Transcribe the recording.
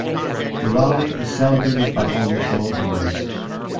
Diwali is celebrated by almost all Hindus.